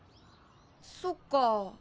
そっか。